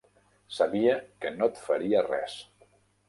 Sabia que no et faria res.